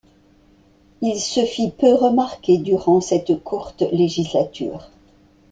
Il se fit peu remarquer durant cette courte législature.